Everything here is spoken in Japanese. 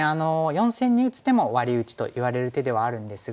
４線に打つ手もワリ打ちといわれる手ではあるんですが。